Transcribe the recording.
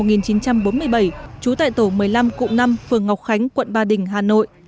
trú tại tổ một mươi năm cụm năm phường ngọc khánh quận ba đình hà nội